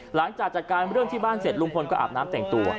หลังจากจัดการเรื่องที่บ้านเสร็จลุงพลก็อาบน้ำแต่งตัว